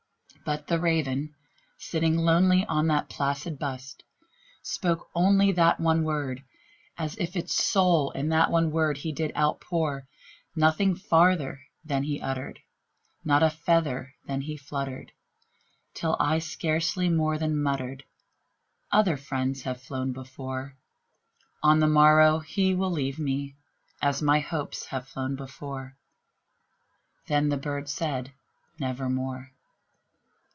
But the Raven, sitting lonely on that placid bust, spoke only That one word, as if his soul in that one word he did outpour. Nothing further then he uttered not a feather then he fluttered Till I scarcely more than muttered, "Other friends have flown before On the morrow he will leave me, as my hopes have flown before." Then the bird said, "Nevermore."